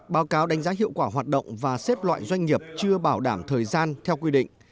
báo cáo đánh giá hiệu quả hoạt động và xếp loại doanh nghiệp chưa bảo đảm thời gian theo quy định